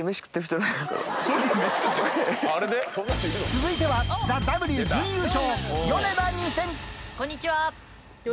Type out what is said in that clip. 続いては『ＴＨＥＷ』準優勝こんにちは。